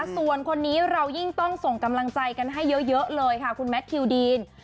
ส่วนคนนี้เรายิ่งต้องส่งกำลังใจกันให้เยอะเลยค่ะคุณแมททิวดีน